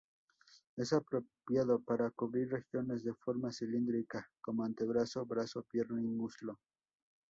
Es apropiado para cubrir regiones de forma cilíndrica, como antebrazo, brazo, pierna y muslo.